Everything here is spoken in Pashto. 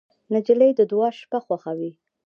نجلۍ د دعا شپه خوښوي.